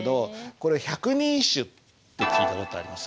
これ「百人一首」って聞いた事あります？